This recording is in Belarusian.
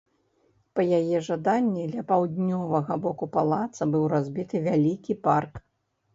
Па яе жаданні, ля паўднёвага боку палаца быў разбіты вялікі парк.